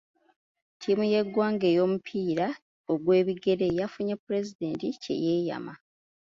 Ttiimu y'eggwanga ey'omupiira ogw'ebigere yafunye pulezidenti kye yeeyama.